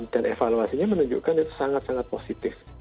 dan evaluasinya menunjukkan itu sangat sangat positif